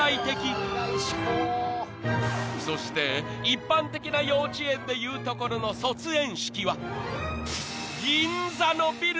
［そして一般的な幼稚園でいうところの卒園式は］